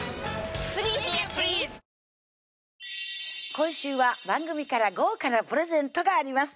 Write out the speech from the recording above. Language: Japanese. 今週は番組から豪華なプレゼントがあります